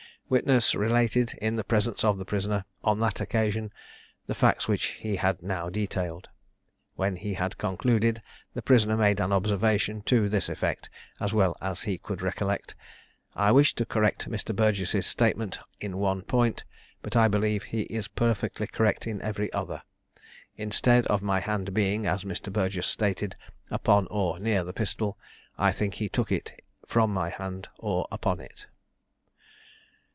Witness related in the presence of the prisoner, on that occasion, the facts which he had now detailed. When he had concluded, the prisoner made an observation to this effect, as well as he could recollect. "I wish to correct Mr. Burgess' statement in one point; but I believe he is perfectly correct in every other. Instead of my hand being, as Mr. Burgess stated, upon or near the pistol, I think he took it from my hand, or upon it."